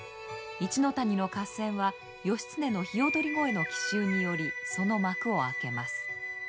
一ノ谷の合戦は義経の鵯越の奇襲によりその幕を開けます。